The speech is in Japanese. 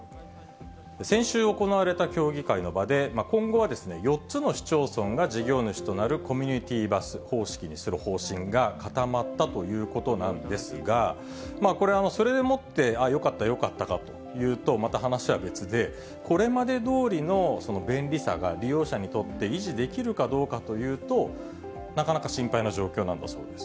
先週行われた協議会の場で、今後は４つの市町村が事業主となるコミュニティーバス方式にする方針が固まったということなんですが、これ、それでもって、よかったよかったかというと、また話は別で、これまでどおりの便利さが利用者にとって維持できるかどうかというと、なかなか心配な状況なんだそうです。